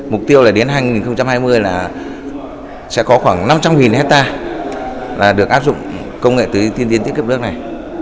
mục tiêu là đến hai nghìn hai mươi là sẽ có khoảng năm trăm linh hectare được áp dụng công nghệ tứ tiên tiến thiết kiệm nước này